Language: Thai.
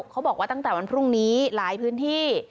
เขาบอกว่าตั้งแต่วันพรุ่งนี้หลายพื้นที่